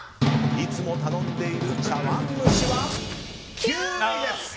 いつも頼んでいる茶わん蒸しは９位です！